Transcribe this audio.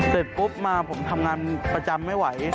เสร็จปุ๊บมาผมทำงานประจำไม่ไหว